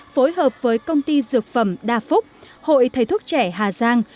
phối hợp với công ty dược phẩm đa phúc hội thầy thuốc trẻ hà giang